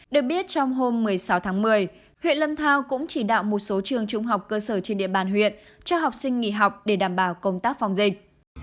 được biết trong hôm một mươi sáu tháng một mươi huyện lâm thao cũng chỉ đạo một số trường trung học cơ sở trên địa bàn huyện cho học sinh nghỉ học để đảm bảo công tác phòng dịch